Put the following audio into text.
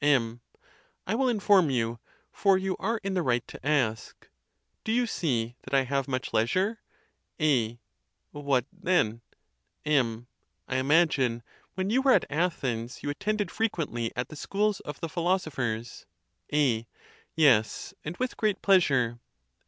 MM. I will inform you, for you are in the right to ask. Do you see that I have much leisure ? A. What, then ? M. I imagine, when you were at Athens, you attended frequently at the schools of the philosophers. A. Yes, and with great pleasure.